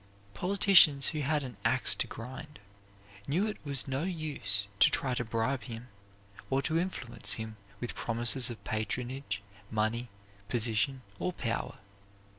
Politicians who had an "ax to grind" knew it was no use to try to bribe him, or to influence him with promises of patronage, money, position, or power.